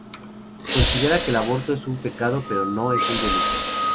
Considera que el aborto es un pecado pero no es un delito.